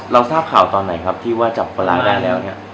ทราบข่าวตอนไหนครับที่ว่าจับคนร้ายได้แล้วเนี่ย